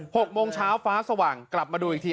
หกโมงเช้าฟ้าสว่างกลับมาดูอีกที